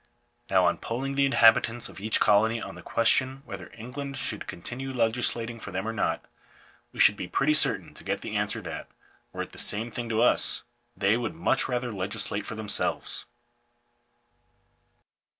Now on poll ing the inhabitants of each colony on the question whether England should continue legislating for them or not, we should be pretty certain to get the answer that, were it the same thing to us, they would much rather legislate for themselves.